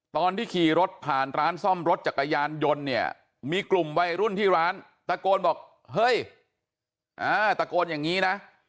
ตอนที่ขี่รถผ่านร้านซ่อมรถจักรยานยนต์เนี่ยมีกลุ่มวัยรุ่นที่ร้านตะโกนบอกเฮ้ยตะโกนอย่างนี้นะ